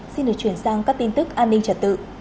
xin được chuyển sang các tin tức an ninh trật tự